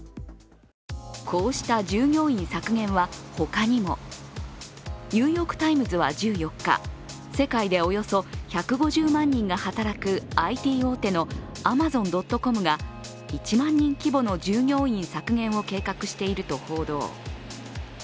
こうした従業員削減は他にも。「ニューヨーク・タイムズ」は１４日、世界でおよそ１５０万人が働くＩＴ大手のアマゾン・ドット・コムが１万人規模の従業員削減を計画していると報道。